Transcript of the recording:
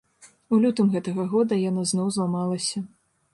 У лютым гэтага года яна зноў зламалася.